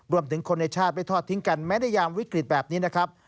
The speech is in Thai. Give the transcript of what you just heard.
คนในชาติไม่ทอดทิ้งกันแม้ในยามวิกฤตแบบนี้นะครับ